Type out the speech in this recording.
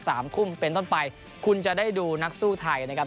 สามทุ่มเป็นต้นไปคุณจะได้ดูนักสู้ไทยนะครับ